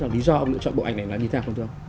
lý do ông lựa chọn bộ ảnh này là như thế nào thưa ông